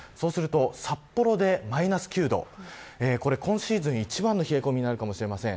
札幌マイナス９度今シーズン一番の冷え込みになるかもしれません。